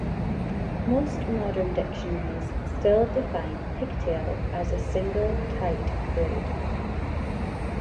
Most modern dictionaries still define "pigtail" as a single tight braid.